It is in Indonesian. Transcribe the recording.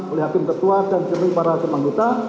oleh hakim ketua dan seluruh para hakim anggota